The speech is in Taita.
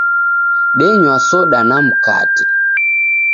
Denywa soda na mkate